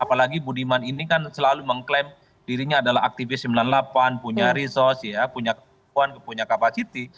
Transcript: apalagi budiman ini kan selalu mengklaim dirinya adalah aktivis sembilan puluh delapan punya resource punya kekuatan punya kapasiti